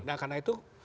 nah karena itu